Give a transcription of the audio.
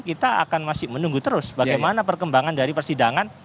kita akan masih menunggu terus bagaimana perkembangan dari persidangan